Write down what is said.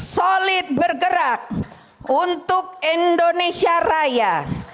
solid bergerak untuk indonesia raya